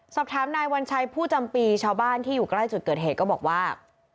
สอบถามนายวัญชัยผู้จำปีชาวบ้านที่อยู่ใกล้จุดเกิดเหตุก็บอกว่า